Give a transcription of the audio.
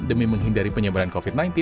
demi menghindari penyebaran covid sembilan belas